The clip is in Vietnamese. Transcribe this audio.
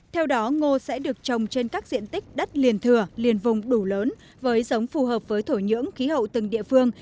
theo đó ngô sẽ được trồng trên các diện tích đất liền thừa liền vùng đủ lớn với giống phù hợp với thổ nhưỡng khí hậu từng địa phương